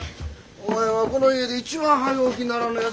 お前はこの家で一番早う起きんならんのやぞ。